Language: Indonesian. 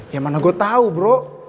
ya mana gue tahu bro